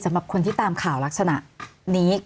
สำหรับคนที่ตามข่าวลักษณะนี้